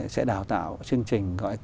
sẽ đào tạo chương trình gọi là